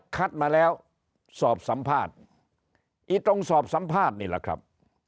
คัดมาแล้วสอบสัมภาษณ์อีตรงสอบสัมภาษณ์นี่แหละครับ